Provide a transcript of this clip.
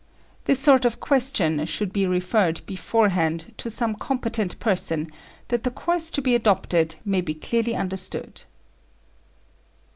This sort of question should be referred beforehand to some competent person, that the course to be adopted may be clearly understood.